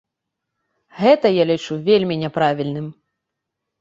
Гэта я лічу вельмі няправільным.